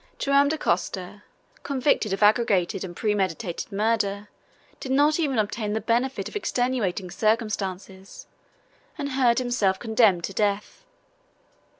Joam Dacosta, convicted of aggravated and premeditated murder, did not even obtain the benefit of extenuating circumstances, and heard himself condemned to death.